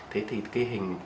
thế thì cái hình